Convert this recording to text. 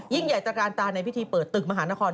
ใหญ่ตระการตาในพิธีเปิดตึกมหานคร